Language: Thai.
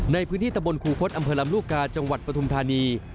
ในพื้นที่ตะบนครูคศอำเภอลำลูกกาจังหวัดปฐุมธานี